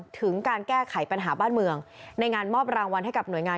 ถึงการแก้ไขปัญหาบ้านเมืองในงานมอบรางวัลให้กับหน่วยงาน